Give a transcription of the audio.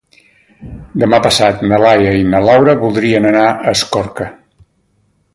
Demà passat na Laia i na Laura voldrien anar a Escorca.